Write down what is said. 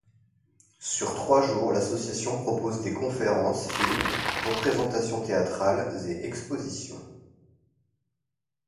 Sur trois jours, l'association propose des conférences, films, représentations théâtrales et expositions.